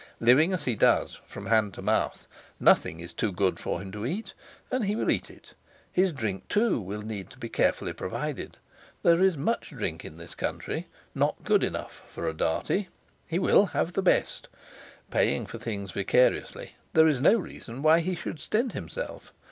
Living as he does, from hand to mouth, nothing is too good for him to eat; and he will eat it. His drink, too, will need to be carefully provided; there is much drink in this country "not good enough" for a Dartie; he will have the best. Paying for things vicariously, there is no reason why he should stint himself.